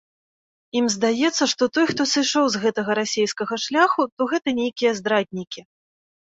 Ім здаецца, што той, хто сышоў з гэтага расейскага шляху, то гэта нейкія здраднікі.